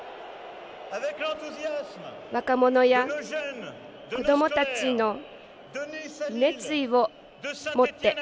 若者や子どもたちの熱意をもって。